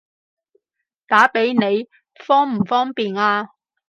打畀你方唔方便啊？